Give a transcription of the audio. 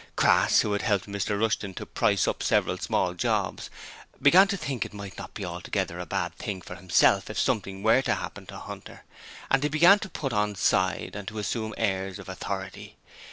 Crass who had helped Mr Rushton to 'price up' several small jobs began to think it might not be altogether a bad thing for himself if something were to happen to Hunter, and he began to put on side and to assume airs of authority.